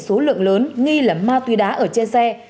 số lượng lớn nghi là ma túy đá ở trên xe